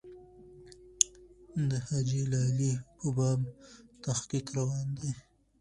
د حاجي لالي په باب تحقیق روان دی.